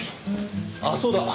ああそうだ。